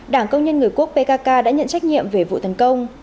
đảng công nhân người quốc pkk đã nhận trách nhiệm về vụ tấn công